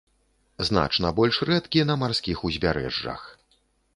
Значна больш рэдкі на марскіх узбярэжжах.